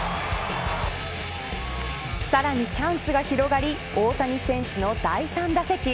さらにチャンスが広がり大谷選手の第３打席。